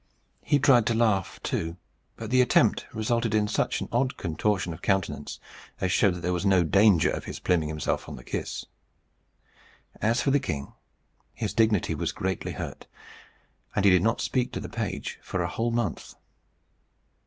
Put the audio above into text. He tried to laugh, too, but the attempt resulted in such an odd contortion of countenance, as showed that there was no danger of his pluming himself on the kiss. As for the king, his dignity was greatly hurt, and he did not speak to the page for a whole month.